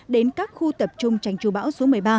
đến các khu tập trung tránh trù bão số một mươi ba